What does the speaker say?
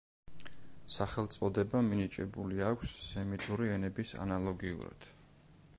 სახელწოდება მინიჭებული აქვს სემიტური ენების ანალოგიურად.